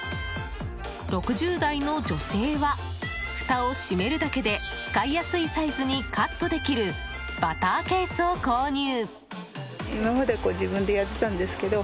６０代の女性はふたを閉めるだけで使いやすいサイズにカットできるバターケースを購入。